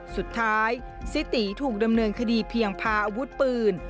สุดท้ายซิตีถูกดำเนินคดีเพียงพาอาวุธปืน